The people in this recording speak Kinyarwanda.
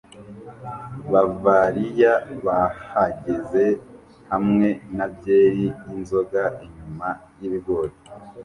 Bavariya bahagaze hamwe na byeri yinzoga inyuma yibigori